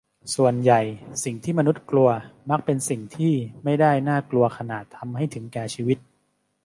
ส่วนใหญ่สิ่งที่มนุษย์กลัวมักเป็นสิ่งที่ไม่ได้น่ากลัวขนาดทำให้ถึงแก่ชีวิต